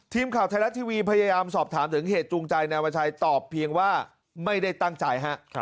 ทีมข่าวไทยรัฐทีวีพยายามสอบถามถึงเหตุจูงใจนายวัชัยตอบเพียงว่าไม่ได้ตั้งใจฮะ